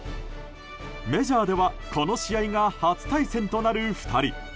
メジャーではこの試合が初対戦となる２人。